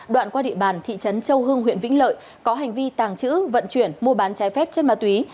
đoạn qua địa bàn thị trấn châu hương huyện vĩnh lợi có hành vi tàng chữ vận chuyển mua bán trái phép chân ma túy